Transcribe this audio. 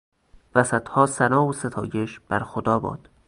و صدها ثنا و ستایش بر خدا باد